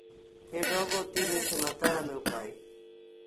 E logo tiven que matar a meu pai.